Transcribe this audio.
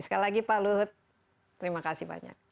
sekali lagi pak luhut terima kasih banyak